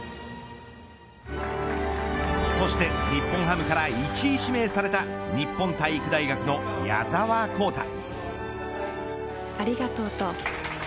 そして日本ハムから１位指名された日本体育大学の矢澤宏太。